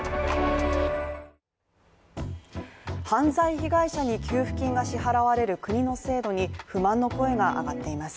犯罪被害者に給付金が支払われる国の制度に不満の声が上がっています。